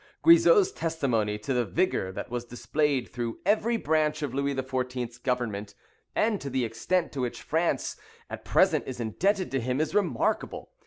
Guizot's testimony to the vigour that was displayed through every branch of Louis XIV.'s government, and to the extent to which France at present is indebted to him, is remarkable.